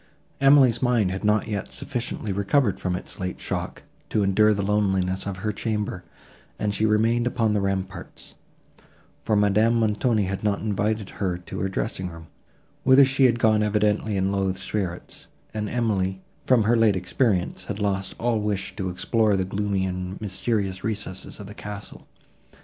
Emily's mind had not yet sufficiently recovered from its late shock, to endure the loneliness of her chamber, and she remained upon the ramparts; for Madame Montoni had not invited her to her dressing room, whither she had gone evidently in low spirits, and Emily, from her late experience, had lost all wish to explore the gloomy and mysterious recesses of the castle.